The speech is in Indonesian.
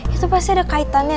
itu pasti ada kaitannya